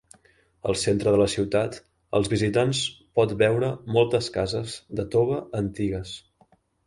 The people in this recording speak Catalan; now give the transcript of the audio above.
Al centre de la ciutat, els visitants pot veure moltes cases de tova antigues.